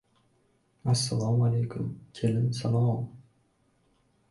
— Assalomu alaykum, kelin salo-o-o-m!